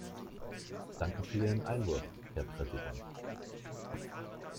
Danke für Ihren Einwurf, Herr Präsident.